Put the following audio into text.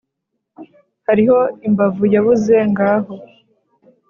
Hariho imbavu yabuze ngaho